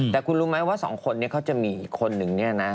แต่คุณรู้ไหมว่าสองคนนี้เขาจะมีอีกคนนึงเนี่ยนะ